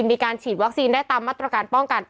มีการฉีดวัคซีนได้ตามมาตรการป้องกัน